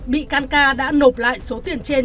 bị can ca đã nộp lại số tiền trên